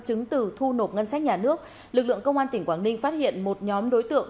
chứng từ thu nộp ngân sách nhà nước lực lượng công an tỉnh quảng ninh phát hiện một nhóm đối tượng